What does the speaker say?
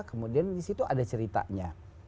kemudian di situ ada ceritanya